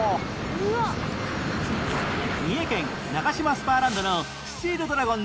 三重県ナガシマスパーランドのスチールドラゴン２０００が登場